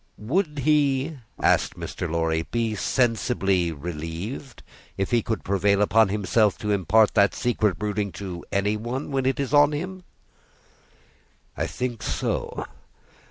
"Would he," asked Mr. Lorry, "be sensibly relieved if he could prevail upon himself to impart that secret brooding to any one, when it is on him?" "I think so.